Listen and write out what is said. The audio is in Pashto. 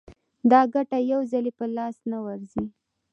دا ګټه یو ځلي په لاس نه ورځي